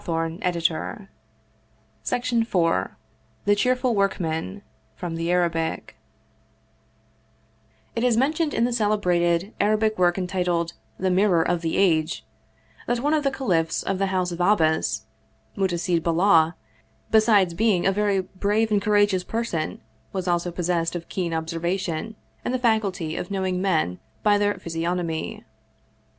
35 Oriental Mystery Stories The Cheerful Workman From the Arabic TT is mentioned in the celebrated Arabic work entitled the " Mirror of the Age," that one of the caliphs of the house of Abbass, Mutasid Billah, besides being a very brave and courageous person, was also possessed of keen ob servation, and the faculty of knowing men by their physi ognomy.